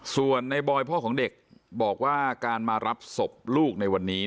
ส่วนในบอยพ่อของเด็กบอกว่าการมารับศพลูกในวันนี้